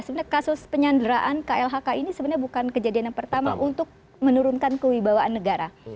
sebenarnya kasus penyanderaan klhk ini sebenarnya bukan kejadian yang pertama untuk menurunkan kewibawaan negara